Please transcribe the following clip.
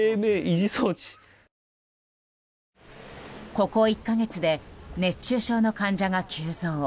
ここ１か月で熱中症の患者が急増。